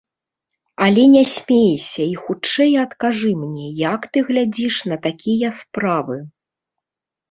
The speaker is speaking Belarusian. Але не смейся і хутчэй адкажы мне, як ты глядзіш на такія справы.